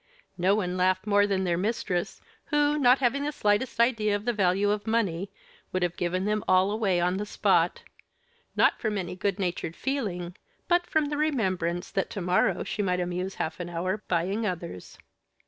No one laughed more than their mistress, who, not having the slightest idea of the value of money, would have given them all away on the spot; not from any good natured feeling, but from the remembrance that to morrow she might amuse half an hour buying others.